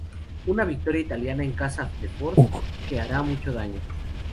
Una victoria italiana en casa de Ford, que hará mucho daño.